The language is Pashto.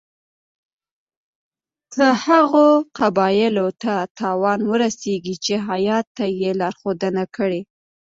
که هغو قبایلو ته تاوان ورسیږي چې هیات ته یې لارښودنه کړې.